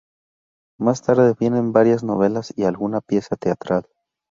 Más tarde vienen varias novelas y alguna pieza teatral.